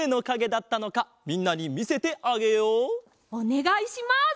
おねがいします！